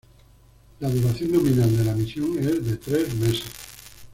La duración nominal de la misión es de tres meses.